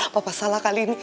papa salah kali ini